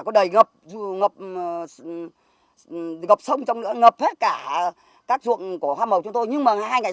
có đầy ngập ngập ngập sông trong nữa ngập hết cả các chuộng của hoa màu cho tôi nhưng mà hai ngày